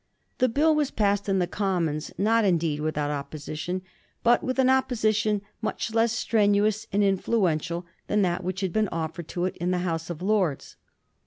The Bill was passed in the Commons, not, indeed, without opposition, but with an opposition much less strenuous and influential than that which had been offered to it in the House of Lords.